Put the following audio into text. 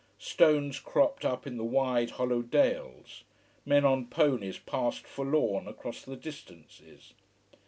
Stones cropped up in the wide, hollow dales. Men on ponies passed forlorn across the distances.